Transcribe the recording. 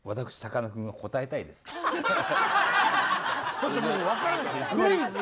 ちょっともう分からないんです。